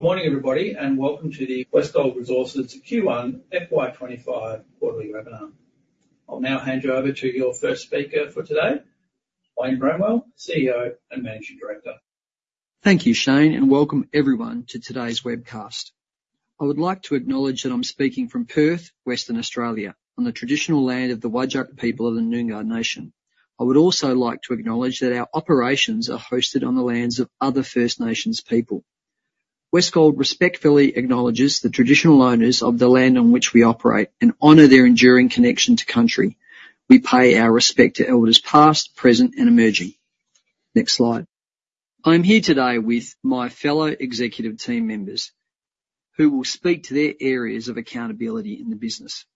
Good morning, everybody, and welcome to the Westgold Resources Q1 FY25 quarterly webinar. I'll now hand you over to your first speaker for today, Wayne Bramwell, CEO and Managing Director. Thank you, Shane, and welcome everyone to today's webcast. I would like to acknowledge that I'm speaking from Perth, Western Australia, on the traditional land of the Whadjuk people of the Noongar Nation. I would also like to acknowledge that our operations are hosted on the lands of other First Nations people. Westgold respectfully acknowledges the traditional owners of the land on which we operate and honor their enduring connection to Country. We pay our respect to Elders past, present, and emerging. Next slide. I'm here today with my fellow executive team members who will speak to their areas of accountability in the business.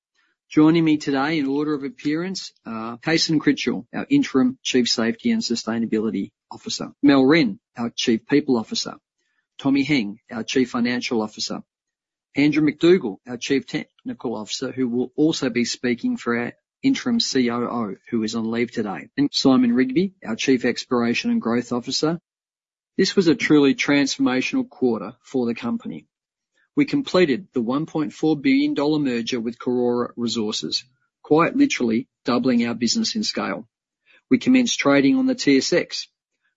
Joining me today in order of appearance are Kaisan Critchell, our Interim Chief Safety and Sustainability Officer, Mel Wren, our Chief People Officer, Tommy Heng, our Chief Financial Officer, Andrew McDougall, our Chief Technical Officer, who will also be speaking for our Interim COO, who is on leave today, and Simon Rigby, our Chief Exploration and Growth Officer. This was a truly transformational quarter for the company. We completed the 1.4 billion dollar merger with Karora Resources, quite literally doubling our business in scale. We commenced trading on the TSX.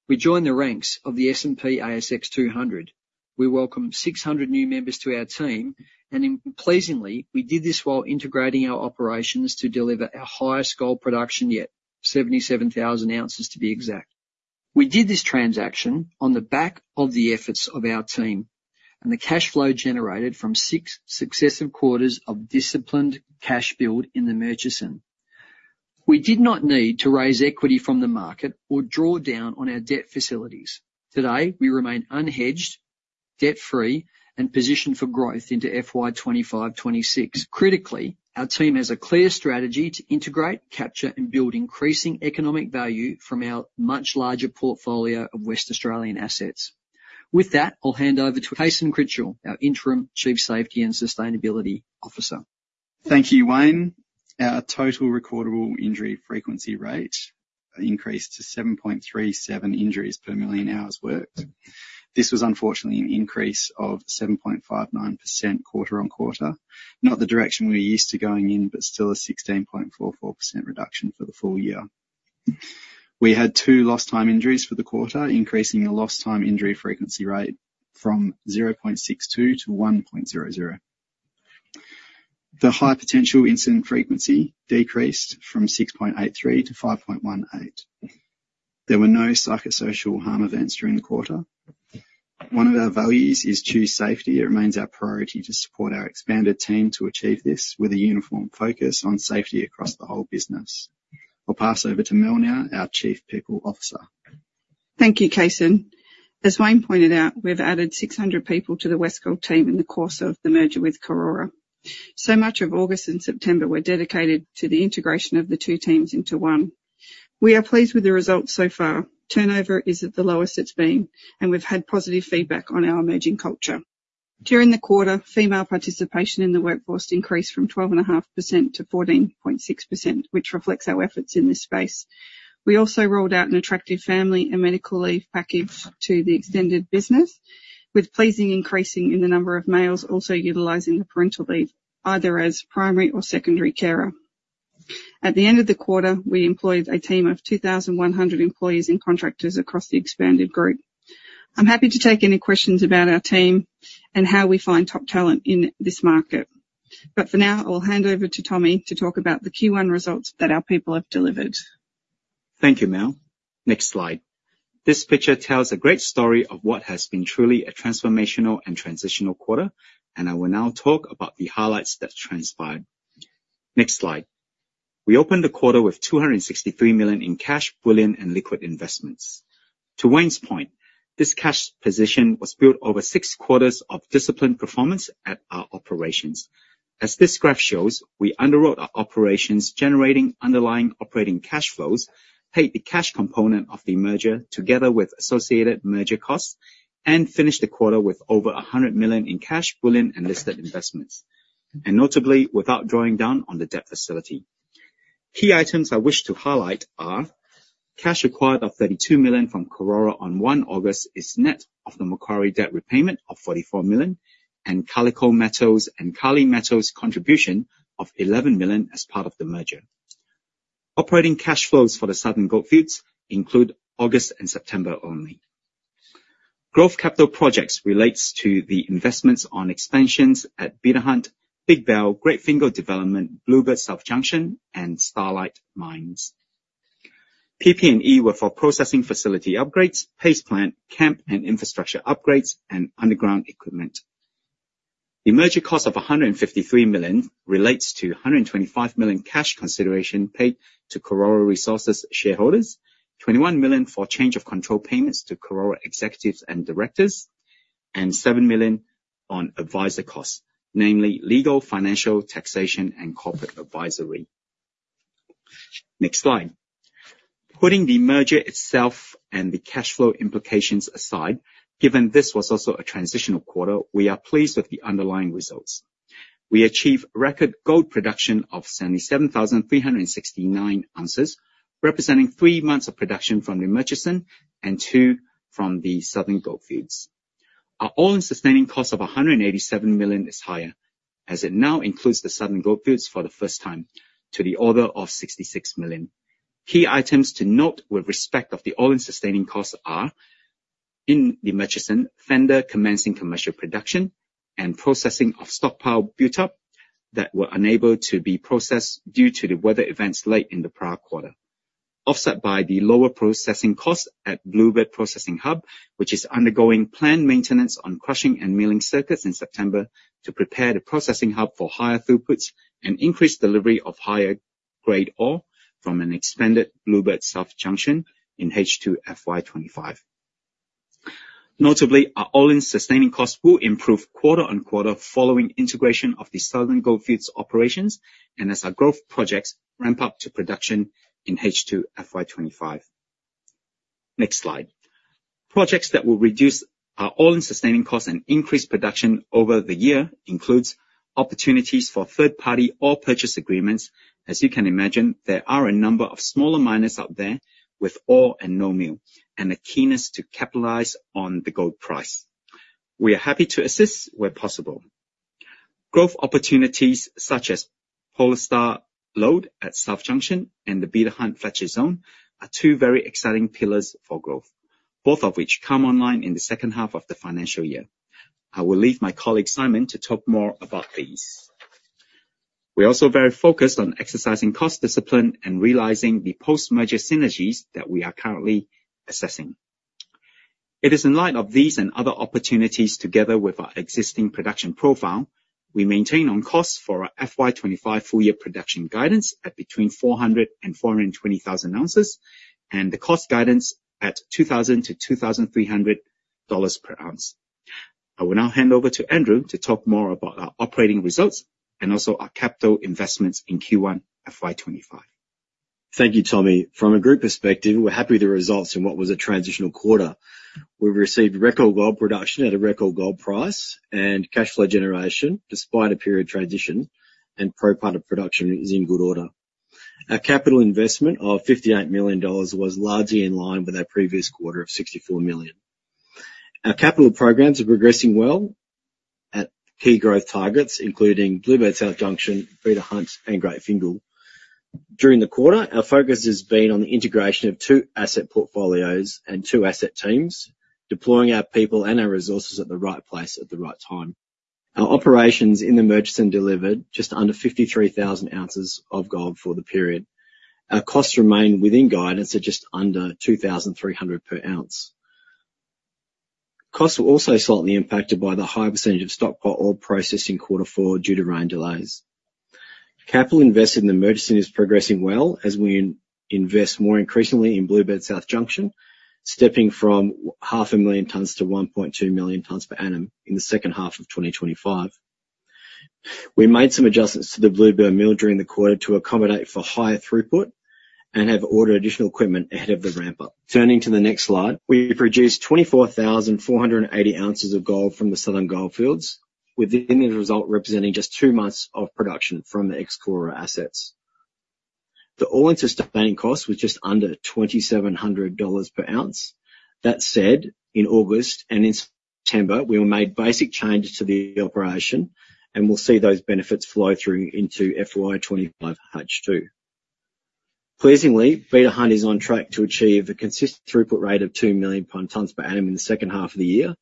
We joined the ranks of the S&P/ASX 200. We welcomed 600 new members to our team, and pleasingly, we did this while integrating our operations to deliver our highest gold production yet, 77,000 ounces to be exact. We did this transaction on the back of the efforts of our team, and the cash flow generated from six successive quarters of disciplined cash build in the Murchison. We did not need to raise equity from the market or draw down on our debt facilities. Today, we remain unhedged, debt-free, and positioned for growth into FY25/26. Critically, our team has a clear strategy to integrate, capture, and build increasing economic value from our much larger portfolio of Western Australian assets. With that, I'll hand over to Kaisan Critchell, our Interim Chief Safety and Sustainability Officer. Thank you, Wayne. Our total recordable injury frequency rate increased to 7.37 injuries per million hours worked. This was unfortunately an increase of 7.59% quarter on quarter, not the direction we're used to going in, but still a 16.44% reduction for the full year. We had two lost-time injuries for the quarter, increasing the lost-time injury frequency rate from 0.62-1.00. The high potential incident frequency decreased from 6.83-5.18. There were no psychosocial harm events during the quarter. One of our values is choose safety. It remains our priority to support our expanded team to achieve this with a uniform focus on safety across the whole business. I'll pass over to Mel now, our Chief People Officer. Thank you, Kaisan. As Wayne pointed out, we've added 600 people to the Westgold team in the course of the merger with Karora. So much of August and September were dedicated to the integration of the two teams into one. We are pleased with the results so far. Turnover is at the lowest it's been, and we've had positive feedback on our emerging culture. During the quarter, female participation in the workforce increased from 12.5%-14.6%, which reflects our efforts in this space. We also rolled out an attractive family and medical leave package to the extended business, with pleasing increase in the number of males also utilizing the parental leave, either as primary or secondary carer. At the end of the quarter, we employed a team of 2,100 employees and contractors across the expanded group. I'm happy to take any questions about our team and how we find top talent in this market, but for now, I'll hand over to Tommy to talk about the Q1 results that our people have delivered. Thank you, Mel. Next slide. This picture tells a great story of what has been truly a transformational and transitional quarter, and I will now talk about the highlights that transpired. Next slide. We opened the quarter with 263 million in cash, bullion, and liquid investments. To Wayne's point, this cash position was built over six quarters of disciplined performance at our operations. As this graph shows, we underwrote our operations generating underlying operating cash flows, paid the cash component of the merger together with associated merger costs, and finished the quarter with over 100 million in cash, bullion, and listed investments, and notably without drawing down on the debt facility. Key items I wish to highlight are cash acquired of 32 million from Karora on 1 August is net of the Macquarie debt repayment of 44 million, and Karora and Kali Metals contribution of 11 million as part of the merger. Operating cash flows for the Southern Goldfields include August and September only. Growth capital projects relate to the investments on expansions at Beta Hunt, Big Bell, Great Fingall Development, Bluebird South Junction, and Starlight mine. PP&E were for processing facility upgrades, paste plant, camp and infrastructure upgrades, and underground equipment. The merger cost of 153 million relates to 125 million cash consideration paid to Karora Resources shareholders, 21 million for change of control payments to Karora executives and directors, and 7 million on advisor costs, namely legal, financial, taxation, and corporate advisory. Next slide. Putting the merger itself and the cash flow implications aside, given this was also a transitional quarter, we are pleased with the underlying results. We achieved record gold production of 77,369 ounces, representing three months of production from the Murchison and two from the Southern Goldfields. Our all-in sustaining cost of 187 million is higher, as it now includes the Southern Goldfields for the first time, to the order of 66 million. Key items to note with respect to the all-in sustaining costs are in the Murchison Fortnum commencing commercial production and processing of stockpile build-up that were unable to be processed due to the weather events late in the prior quarter, offset by the lower processing costs at Bluebird Processing Hub, which is undergoing planned maintenance on crushing and milling circuits in September to prepare the processing hub for higher throughputs and increased delivery of higher grade ore from an expanded Bluebird South Junction in H2 FY25. Notably, our all-in sustaining costs will improve quarter on quarter following integration of the Southern Goldfields operations and as our growth projects ramp up to production in H2 FY25. Next slide. Projects that will reduce our all-in sustaining costs and increase production over the year include opportunities for third-party ore purchase agreements. As you can imagine, there are a number of smaller miners out there with ore and no mill and a keenness to capitalize on the gold price. We are happy to assist where possible. Growth opportunities such as Polestar Lode at South Junction and the Beta Hunt Fletcher Zone are two very exciting pillars for growth, both of which come online in the second half of the financial year. I will leave my colleague Simon to talk more about these. We are also very focused on exercising cost discipline and realizing the post-merger synergies that we are currently assessing. It is in light of these and other opportunities, together with our existing production profile, we maintain on track for our FY25 full-year production guidance at between 400,000 and 420,000 ounces, and the cost guidance at 2,000-2,300 dollars per ounce. I will now hand over to Andrew to talk more about our operating results and also our capital investments in Q1 FY25. Thank you, Tommy. From a group perspective, we're happy with the results in what was a transitional quarter. We received record gold production at a record gold price and cash flow generation despite a period of transition, and our production is in good order. Our capital investment of 58 million dollars was largely in line with our previous quarter of 64 million. Our capital programs are progressing well at key growth targets, including Bluebird South Junction, Beta Hunt, and Great Fingall. During the quarter, our focus has been on the integration of two asset portfolios and two asset teams, deploying our people and our resources at the right place at the right time. Our operations in the Murchison delivered just under 53,000 ounces of gold for the period. Our costs remain within guidance at just under 2,300 per ounce. Costs were also slightly impacted by the high percentage of stockpile ore processed in quarter four due to rain delays. Capital invested in the Murchison is progressing well as we invest more increasingly in Bluebird South Junction, stepping from 500,000 tonnes to 1.2 million tonnes per annum in the second half of 2025. We made some adjustments to the Bluebird mill during the quarter to accommodate for higher throughput and have ordered additional equipment ahead of the ramp-up. Turning to the next slide, we produced 24,480 ounces of gold from the Southern Goldfields, with the end result representing just two months of production from the ex-Karora assets. The All-in Sustaining Cost was just under 2,700 dollars per ounce. That said, in August and in September, we made basic changes to the operation, and we'll see those benefits flow through into FY25 H2. Pleasingly, Beta Hunt is on track to achieve a consistent throughput rate of 2 million tonnes per annum in the second half of the year.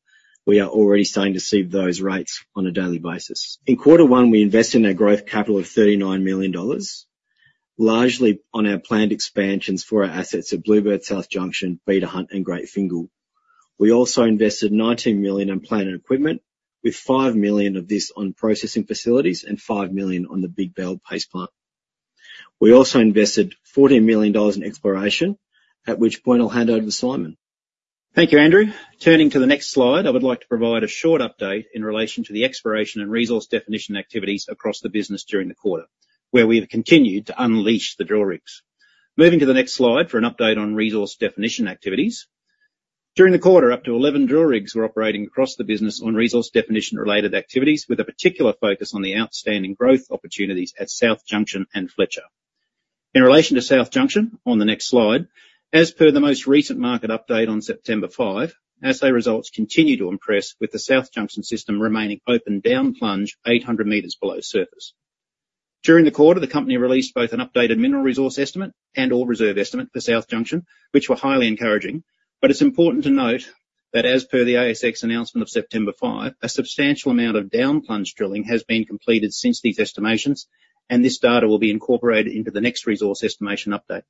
We are already starting to see those rates on a daily basis. In quarter one, we invested in our growth capital of 39 million dollars, largely on our planned expansions for our assets at Bluebird South Junction, Beta Hunt, and Great Fingall. We also invested 19 million in plant and equipment, with 5 million of this on processing facilities and 5 million on the Big Bell Paste Plant. We also invested 14 million dollars in exploration, at which point I'll hand over to Simon. Thank you, Andrew. Turning to the next slide, I would like to provide a short update in relation to the exploration and resource definition activities across the business during the quarter, where we have continued to unleash the drill rigs. Moving to the next slide for an update on resource definition activities. During the quarter, up to 11 drill rigs were operating across the business on resource definition-related activities, with a particular focus on the outstanding growth opportunities at South Junction and Fletcher. In relation to South Junction, on the next slide, as per the most recent market update on September 5, assay results continue to impress, with the South Junction system remaining open downplunge 800 meters below surface. During the quarter, the company released both an updated mineral resource estimate and ore reserve estimate for South Junction, which were highly encouraging. But it's important to note that, as per the ASX announcement of September 5, a substantial amount of downplunge drilling has been completed since these estimations, and this data will be incorporated into the next resource estimation update.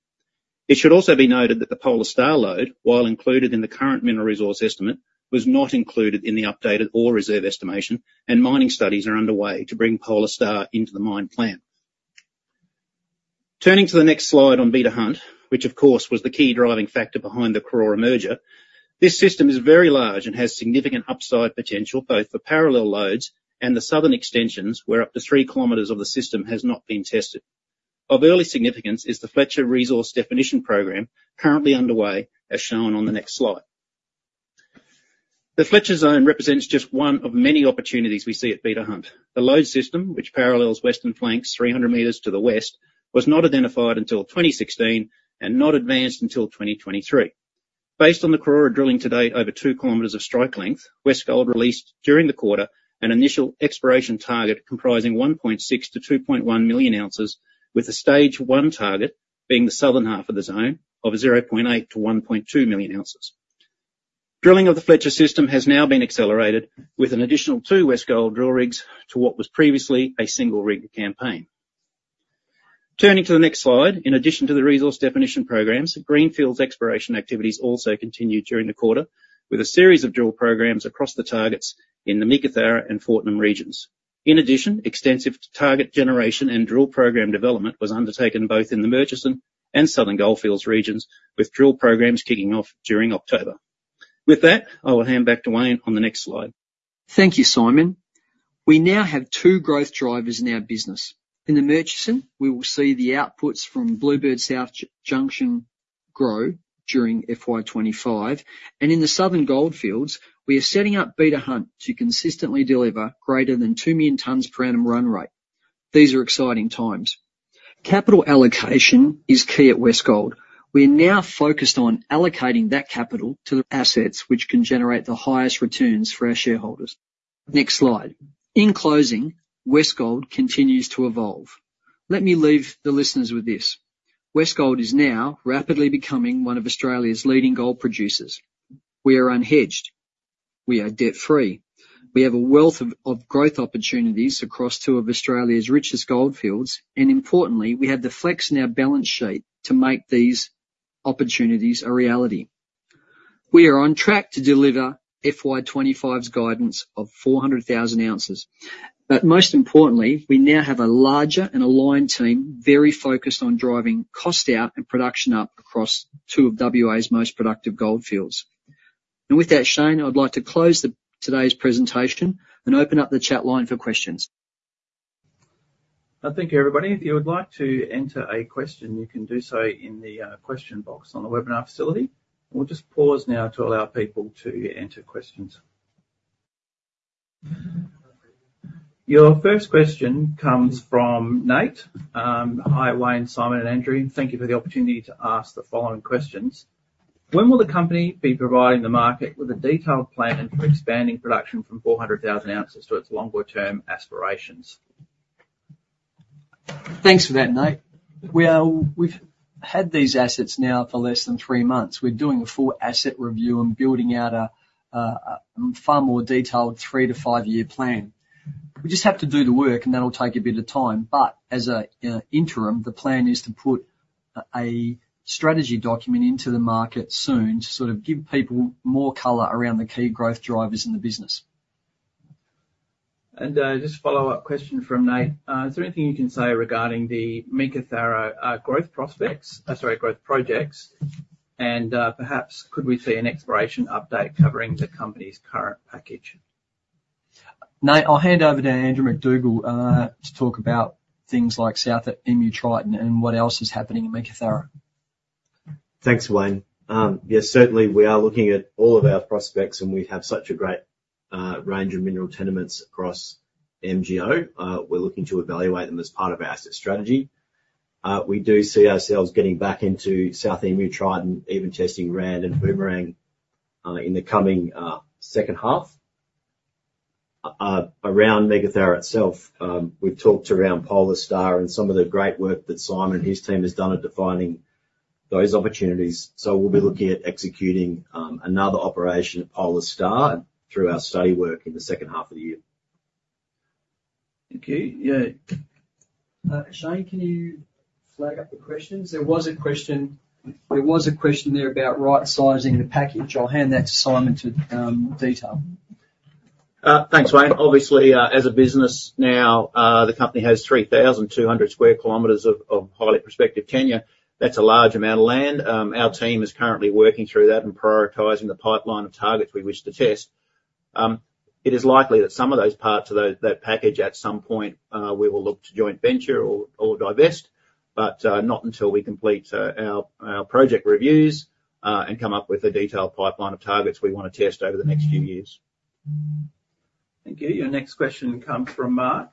It should also be noted that the Polestar Lode, while included in the current mineral resource estimate, was not included in the updated ore reserve estimation, and mining studies are underway to bring Polestar into the mine plan. Turning to the next slide on Beta Hunt, which, of course, was the key driving factor behind the Karora merger, this system is very large and has significant upside potential both for parallel lodes and the southern extensions where up to three kilometers of the system has not been tested. Of early significance is the Fletcher resource definition program currently underway, as shown on the next slide. The Fletcher Zone represents just one of many opportunities we see at Beta Hunt. The lode system, which parallels western flanks 300 m to the west, was not identified until 2016 and not advanced until 2023. Based on the Karora drilling today, over two kilometers of strike length, Westgold released during the quarter an initial exploration target comprising 1.6-2.1 million ounces, with the stage one target being the southern half of the zone of 0.8-1.2 million ounces. Drilling of the Fletcher system has now been accelerated with an additional two Westgold drill rigs to what was previously a single rig campaign. Turning to the next slide, in addition to the resource definition programs, Greenfields exploration activities also continued during the quarter, with a series of drill programs across the targets in the Meekatharra and Fortnum regions. In addition, extensive target generation and drill program development was undertaken both in the Murchison and Southern Goldfields regions, with drill programs kicking off during October. With that, I will hand back to Wayne on the next slide. Thank you, Simon. We now have two growth drivers in our business. In the Murchison, we will see the outputs from Bluebird South Junction grow during FY25, and in the Southern Goldfields, we are setting up Beta Hunt to consistently deliver greater than two million tonnes per annum run rate. These are exciting times. Capital allocation is key at Westgold. We are now focused on allocating that capital to the assets which can generate the highest returns for our shareholders. Next slide. In closing, Westgold continues to evolve. Let me leave the listeners with this. Westgold is now rapidly becoming one of Australia's leading gold producers. We are unhedged. We are debt-free. We have a wealth of growth opportunities across two of Australia's richest goldfields, and importantly, we have the flex in our balance sheet to make these opportunities a reality. We are on track to deliver FY25's guidance of 400,000 ounces. But most importantly, we now have a larger and aligned team very focused on driving cost out and production up across two of WA's most productive goldfields. And with that, Shane, I'd like to close today's presentation and open up the chat line for questions. Thank you, everybody. If you would like to enter a question, you can do so in the question box on the webinar facility. We'll just pause now to allow people to enter questions. Your first question comes from Nate. Hi, Wayne, Simon, and Andrew. Thank you for the opportunity to ask the following questions. When will the company be providing the market with a detailed plan for expanding production from 400,000 ounces to its longer-term aspirations? Thanks for that, Nate. We've had these assets now for less than three months. We're doing a full asset review and building out a far more detailed 3-5 year plan. We just have to do the work, and that'll take a bit of time. But as an interim, the plan is to put a strategy document into the market soon to sort of give people more color around the key growth drivers in the business. Just a follow-up question from Nate. Is there anything you can say regarding the Meekatharra growth prospects? Sorry, growth projects. Perhaps could we see an exploration update covering the company's current package? Nate, I'll hand over to Andrew McDougall to talk about things like South Emu-Triton and what else is happening in Meekatharra. Thanks, Wayne. Yes, certainly, we are looking at all of our prospects, and we have such a great range of mineral tenements across MGO. We're looking to evaluate them as part of our asset strategy. We do see ourselves getting back into South Emu-Triton, even testing Rand and Boomerang in the coming second half. Around Meekatharra itself, we've talked around Polestar and some of the great work that Simon and his team has done at defining those opportunities. So we'll be looking at executing another operation at Polestar through our study work in the second half of the year. Thank you. Yeah. Shane, can you flag up the questions? There was a question. There was a question there about right-sizing the package. I'll hand that to Simon to detail. Thanks, Wayne. Obviously, as a business now, the company has 3,200 square kilometers of highly prospective tenements. That's a large amount of land. Our team is currently working through that and prioritizing the pipeline of targets we wish to test. It is likely that some of those parts of that package at some point we will look to joint venture or divest, but not until we complete our project reviews and come up with a detailed pipeline of targets we want to test over the next few years. Thank you. Your next question comes from Mark.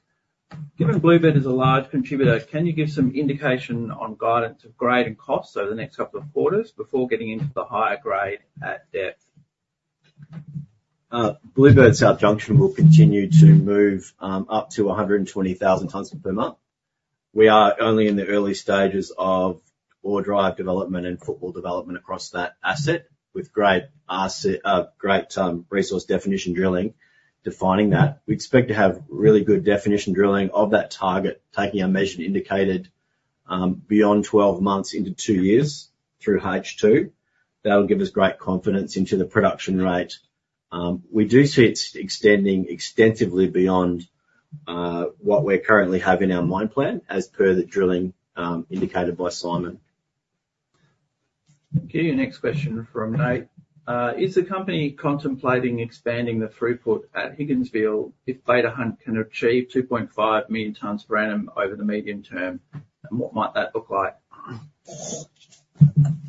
Given Bluebird is a large contributor, can you give some indication on guidance of grade and cost over the next couple of quarters before getting into the higher grade at depth? Bluebird South Junction will continue to move up to 120,000 tonnes per month. We are only in the early stages of ore drive development and footwall development across that asset, with great resource definition drilling defining that. We expect to have really good definition drilling of that target, taking our measured and indicated beyond 12 months into two years through H2. That'll give us great confidence into the production rate. We do see it extending extensively beyond what we're currently having our mine plan as per the drilling indicated by Simon. Thank you. Your next question from Nate. Is the company contemplating expanding the throughput at Higginsville if Beta Hunt can achieve 2.5 million tonnes per annum over the medium term? And what might that look like?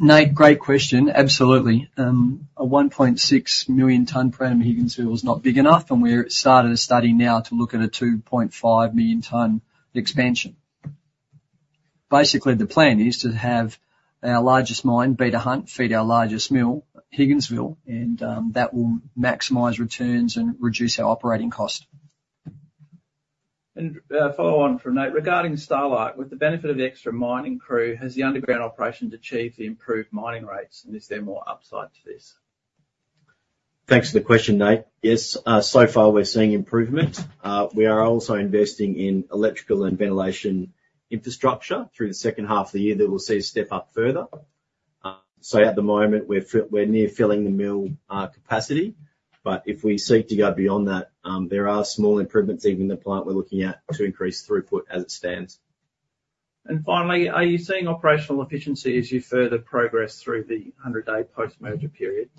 Nate, great question. Absolutely. A 1.6 million tonne per annum at Higginsville is not big enough, and we're starting a study now to look at a 2.5 million tonne expansion. Basically, the plan is to have our largest mine, Beta Hunt, feed our largest mill, Higginsville, and that will maximize returns and reduce our operating cost. A follow-on from Nate. Regarding Starlight, with the benefit of the extra mining crew, has the underground operations achieved the improved mining rates, and is there more upside to this? Thanks for the question, Nate. Yes, so far we're seeing improvement. We are also investing in electrical and ventilation infrastructure through the second half of the year that we'll see a step up further. So at the moment, we're near filling the mill capacity. But if we seek to go beyond that, there are small improvements even in the plant we're looking at to increase throughput as it stands. And finally, are you seeing operational efficiency as you further progress through the 100-day post-merger period?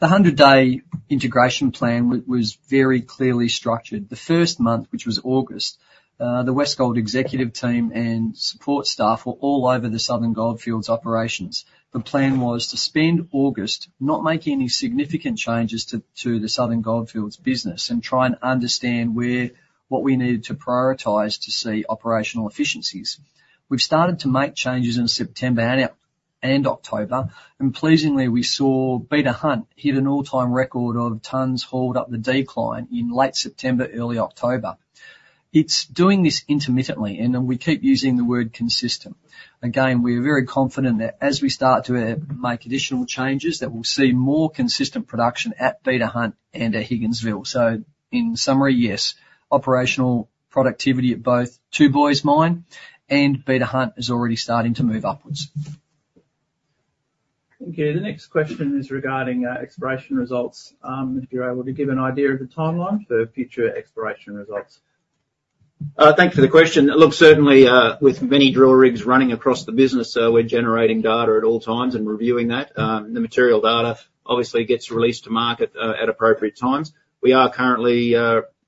The 100-day integration plan was very clearly structured. The first month, which was August, the Westgold executive team and support staff were all over the Southern Goldfields operations. The plan was to spend August not making any significant changes to the Southern Goldfields business and try and understand what we needed to prioritise to see operational efficiencies. We've started to make changes in September and October, and pleasingly, we saw Beta Hunt hit an all-time record of tonnes hauled up the decline in late September, early October. It's doing this intermittently, and we keep using the word consistent. Again, we are very confident that as we start to make additional changes, that we'll see more consistent production at Beta Hunt and at Higginsville, so in summary, yes, operational productivity at both Two Boys Mine and Beta Hunt is already starting to move upwards. Thank you. The next question is regarding exploration results. If you're able to give an idea of the timeline for future exploration results? Thank you for the question. Look, certainly, with many drill rigs running across the business, we're generating data at all times and reviewing that. The material data obviously gets released to market at appropriate times. We are currently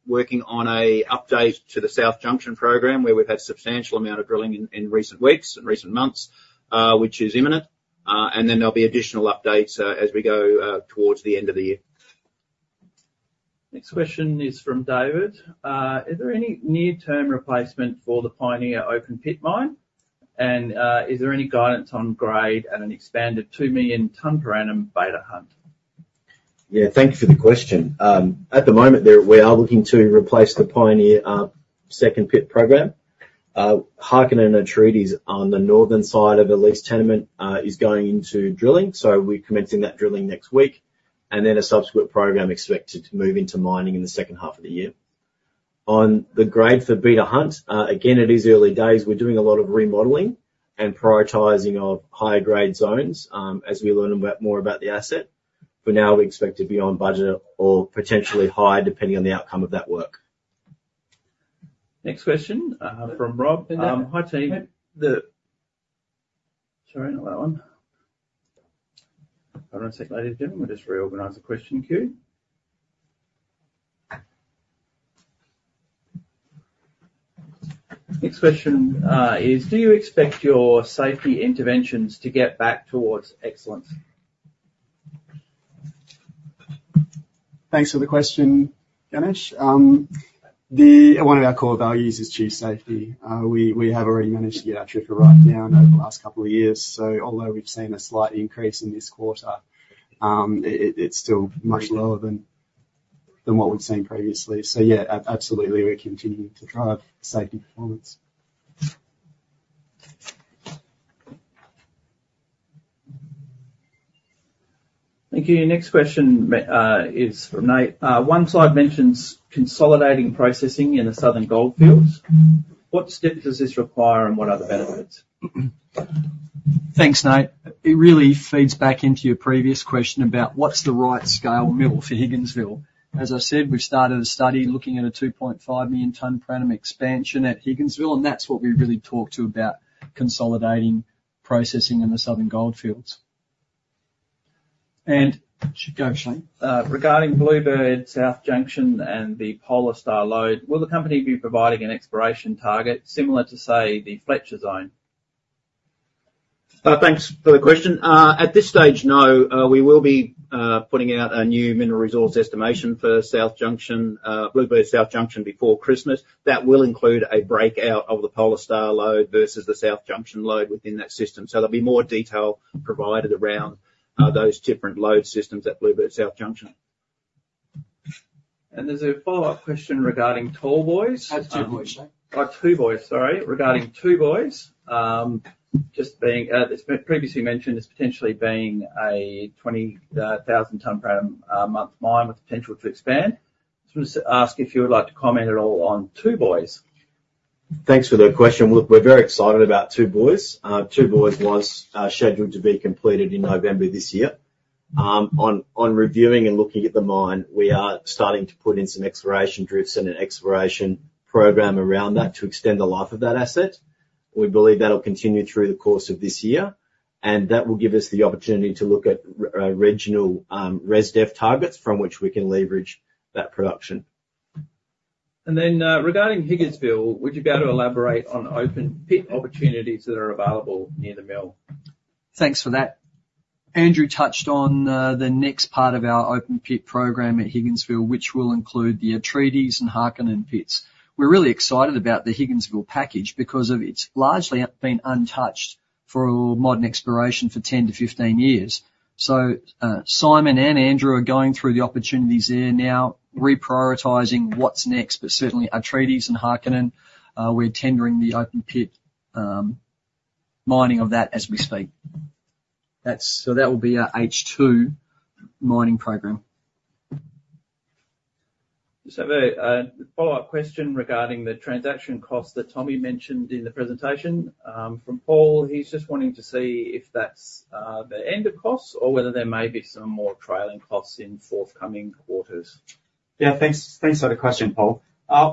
working on an update to the South Junction program where we've had a substantial amount of drilling in recent weeks and recent months, which is imminent. And then there'll be additional updates as we go towards the end of the year. Next question is from David. Is there any near-term replacement for the Pioneer open pit mine? And is there any guidance on grade at an expanded two million tonne per annum Beta Hunt? Yeah, thank you for the question. At the moment, we are looking to replace the Pioneer Second Pit program. Harken and Atreides on the northern side of the leased tenement is going into drilling. So we're commencing that drilling next week, and then a subsequent program expected to move into mining in the second half of the year. On the grade for Beta Hunt, again, it is early days. We're doing a lot of remodeling and prioritizing of higher grade zones as we learn more about the asset. For now, we expect to be on budget or potentially high, depending on the outcome of that work. Next question from Rob. Hi, team. Sorry, not that one. Hold on a sec, ladies and gentlemen. We'll just reorganize the question queue. Next question is, do you expect your safety interventions to get back towards excellence? Thanks for the question, Ganesh. One of our core values is safety. We have already managed to get our TRIFR right down over the last couple of years. So although we've seen a slight increase in this quarter, it's still much lower than what we've seen previously. So yeah, absolutely, we're continuing to drive safety performance. Thank you. Next question is from Nate. One slide mentions consolidating processing in the Southern Goldfields. What steps does this require and what are the benefits? Thanks, Nate. It really feeds back into your previous question about what's the right scale mill for Higginsville. As I said, we've started a study looking at a 2.5 million tonne per annum expansion at Higginsville, and that's what we really talked to about consolidating processing in the Southern Goldfields. And should go Shane. Regarding Bluebird South Junction and the Polestar Lode, will the company be providing an exploration target similar to, say, the Fletcher Zone? Thanks for the question. At this stage, no. We will be putting out a new mineral resource estimation for South Junction, Bluebird South Junction before Christmas. That will include a breakout of the Polestar lode versus the South Junction lode within that system. So there'll be more detail provided around those different lode systems at Bluebird South Junction. And there's a follow-up question regarding Two Boys. Two Boys, sorry. Regarding Two Boys, just being as previously mentioned, it's potentially being a 20,000 tonne per month mine with potential to expand. I was going to ask if you would like to comment at all on Two Boys. Thanks for the question. Look, we're very excited about Two Boys. Two Boys was scheduled to be completed in November this year. On reviewing and looking at the mine, we are starting to put in some exploration drifts and an exploration program around that to extend the life of that asset. We believe that'll continue through the course of this year, and that will give us the opportunity to look at regional resource development targets from which we can leverage that production. Regarding Higginsville, would you be able to elaborate on open pit opportunities that are available near the mill? Thanks for that. Andrew touched on the next part of our open pit program at Higginsville, which will include the Atreides and Harken and Pitts. We're really excited about the Higginsville package because it's largely been untouched for modern exploration for 10-15 years. So Simon and Andrew are going through the opportunities there now, reprioritizing what's next, but certainly Atreides and Harken, and we're tendering the open pit mining of that as we speak. So that will be our H2 mining program. Just have a follow-up question regarding the transaction costs that Tommy mentioned in the presentation. From Paul, he's just wanting to see if that's the end of costs or whether there may be some more trailing costs in forthcoming quarters. Yeah, thanks for the question, Paul.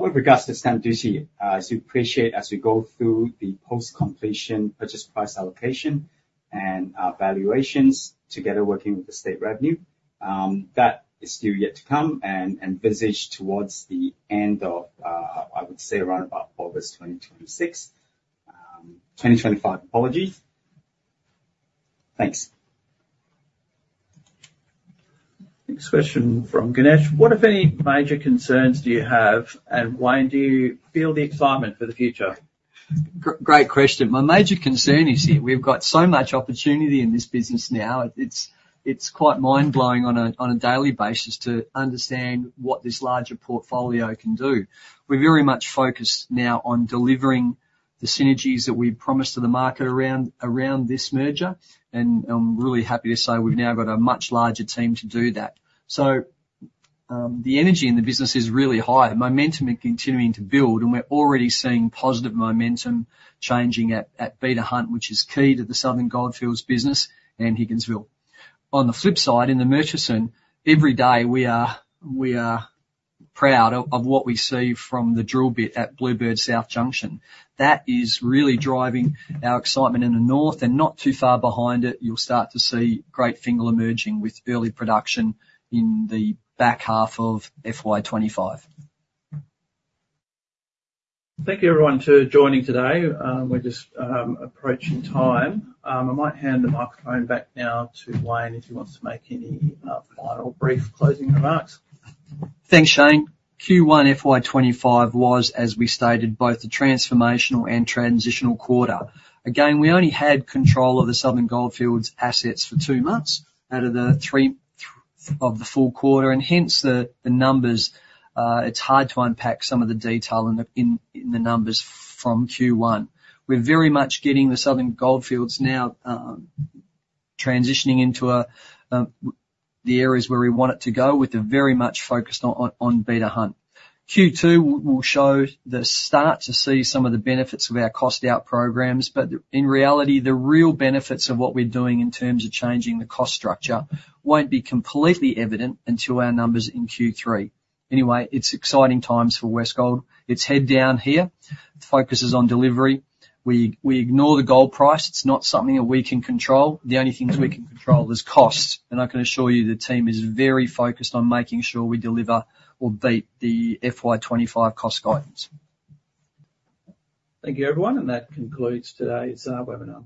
With regards to stamp duty, as you appreciate, as we go through the post-completion purchase price allocation and valuations together working with the state revenue, that is still yet to come and envisage towards the end of, I would say, around about August 2025. Thanks. Next question from Ganesh. What, if any, major concerns do you have and why do you feel the excitement for the future? Great question. My major concern is we've got so much opportunity in this business now. It's quite mind-blowing on a daily basis to understand what this larger portfolio can do. We're very much focused now on delivering the synergies that we promised to the market around this merger, and I'm really happy to say we've now got a much larger team to do that. So the energy in the business is really high. Momentum is continuing to build, and we're already seeing positive momentum changing at Beta Hunt, which is key to the Southern Goldfields business and Higginsville. On the flip side, in the Murchison, every day we are proud of what we see from the drill bit at Bluebird South Junction. That is really driving our excitement in the north, and not too far behind it, you'll start to see Great Fingall emerging with early production in the back half of FY25. Thank you, everyone, for joining today. We're just approaching time. I might hand the microphone back now to Wayne if he wants to make any final brief closing remarks. Thanks, Shane. Q1 FY25 was, as we stated, both a transformational and transitional quarter. Again, we only had control of the Southern Goldfields assets for two months out of the full quarter, and hence the numbers. It's hard to unpack some of the detail in the numbers from Q1. We're very much getting the Southern Goldfields now transitioning into the areas where we want it to go with very much focused on Beta Hunt. Q2 will show the start to see some of the benefits of our cost-out programs, but in reality, the real benefits of what we're doing in terms of changing the cost structure won't be completely evident until our numbers in Q3. Anyway, it's exciting times for Westgold. It's head down here. The focus is on delivery. We ignore the gold price. It's not something that we can control. The only things we can control is cost. I can assure you the team is very focused on making sure we deliver or beat the FY25 cost guidance. Thank you, everyone, and that concludes today's webinar.